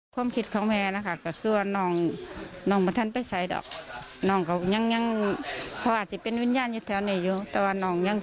ลูกจะไม่ต้องห่วงอาบน้ำน้ำของจอยไว้ต่างกัน